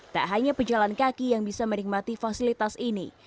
tak hanya pejalan kaki yang bisa menikmati fasilitas ini